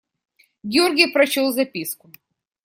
Георгий прочел записку.